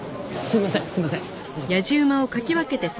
すいませんすいません。